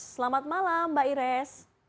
selamat malam mbak ires